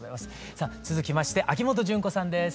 さあ続きまして秋元順子さんです。